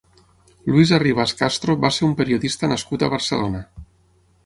Luis Arribas Castro va ser un periodista nascut a Barcelona.